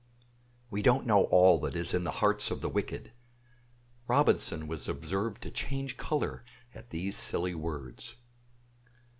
We don't know all that is in the hearts of the wicked. Robinson was observed to change color at these silly words.